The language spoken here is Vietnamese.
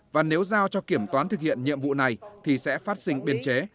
và nếu giao cho kiểm toán thực hiện nhiệm vụ này thì sẽ phát sinh biên chế